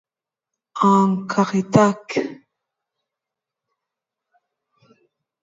En réalité